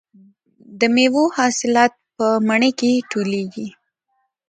د میوو حاصلات په مني کې ټولېږي.